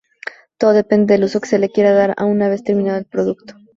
Todo depende del uso que se le quiera dar una vez terminado el producto.